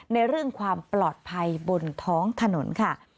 ในเรื่องความปลอดภัยบนท้องถนนค่ะ